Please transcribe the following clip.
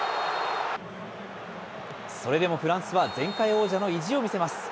それでもフランスは、前回王者の意地を見せます。